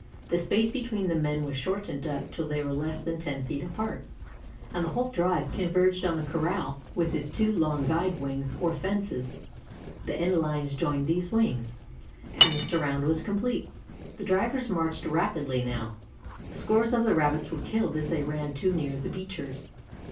The space between the men was shortened up till they were less than ten feet apart, and the whole drive converged on the corral with its two long guide wings or fences; the end lines joined these wings, and the surround was complete. The drivers marched rapidly now; scores of the Rabbits were killed as they ran too near the beaters.